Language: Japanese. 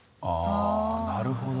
ああなるほど。